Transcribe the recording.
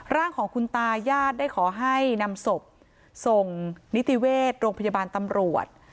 ร่างของคุณตายาดได้ขอให้นำศพส่งนิติเวชโรงพยาบาลตำรวจ